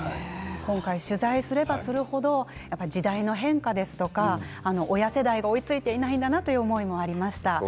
取材をすればする程被害の変化ですとか親世代が追いついていないなという思いがありました。